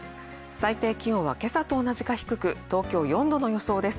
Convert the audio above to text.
最低気温は、今朝と同じか低く東京４度の予想です。